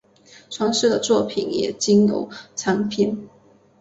传世的作品也仅有残篇。